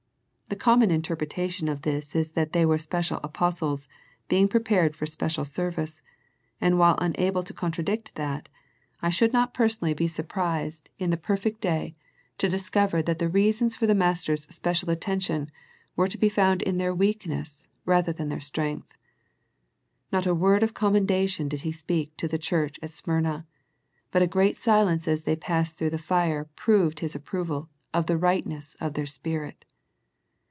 The common interpretation of this is that they were special apostles being prepared for special service, and while unable to contradict that, I should not personally be y The Smyrna Letter '•"• 67 surprised in the perfect day to discover that the reasons for the Master's special attention were to be found in their weakness rather than their strength. Not a word of commendation did He speak to the church in Smyrna, but a great silence as they passed through the fire proved His approval of the rightness of their spirit.